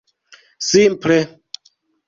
simple